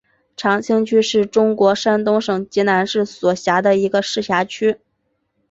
长清区是中国山东省济南市所辖的一个市辖区。